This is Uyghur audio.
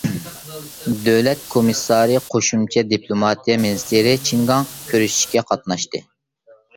دۆلەت كومىسسارى قوشۇمچە دىپلوماتىيە مىنىستىرى چىن گاڭ كۆرۈشۈشكە قاتناشتى.